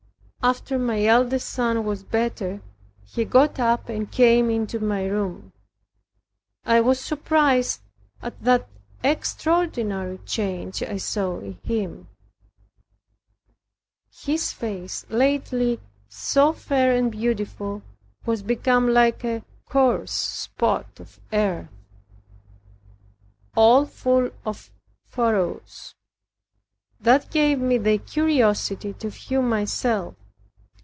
After my eldest son was better, he got up and came into my room. I was surprised at the extraordinary change I saw in him. His face, lately so fair and beautiful, was become like a coarse spot of earth, all full of furrows. That gave me the curiosity to view myself.